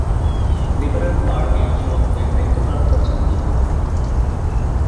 Liberal পার্টির সভাপতির দায়িত্ব পালন করছেন তিনি।